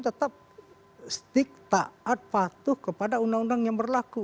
tetap stick taat patuh kepada undang undang yang berlaku